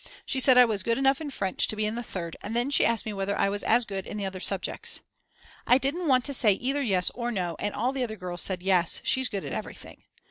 She said I was good enough in French to be in the Third and then she asked me whether I was as good in the other subjects. I didn't want to say either Yes or No, and all the other girls said Yes, she's good at everything.